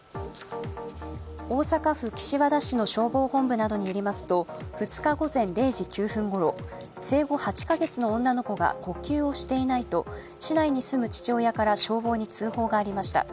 大阪府岸和田市の消防本部などによりますと２日午前０時９分ごろ生後８か月の女の子が呼吸をしていないと、市内に住む父親から消防に通報がありました。